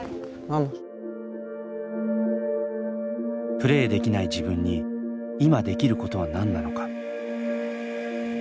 プレーできない自分に今できることは何なのか。